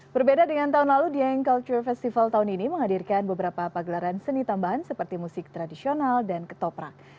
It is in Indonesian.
berbeda dengan tahun lalu dieng culture festival tahun ini menghadirkan beberapa pagelaran seni tambahan seperti musik tradisional dan ketoprak